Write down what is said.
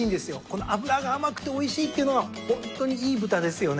この脂が甘くておいしいっていうのがホントにいい豚ですよね。